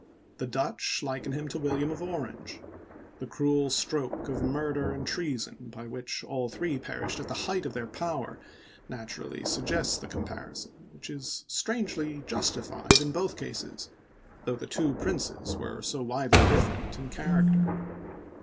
the Dutch liken him to William of Orange; the cruel stroke of murder and treason by which all three perished in the height of their power naturally suggests the comparison, which is strangely justi fied in both cases, though the two princes were so widely different in character.